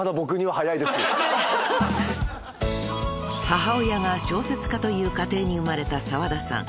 ［母親が小説家という家庭に生まれた澤田さん］